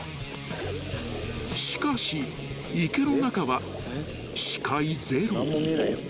［しかし池の中は視界ゼロ］